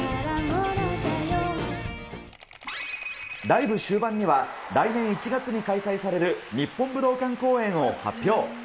ライブ終盤には、来年１月に開催される日本武道館公演を発表。